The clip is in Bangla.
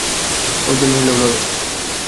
ওর জন্য হলেও লড়ো!